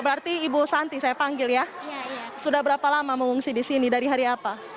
berarti ibu santi saya panggil ya sudah berapa lama mengungsi di sini dari hari apa